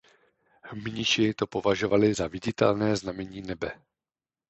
Mniši to považovali za viditelné znamení nebe.